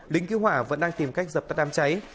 lính cứu hỏa vẫn đang tìm cách dập tắt đám cháy